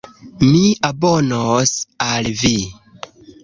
Mi abonos al vi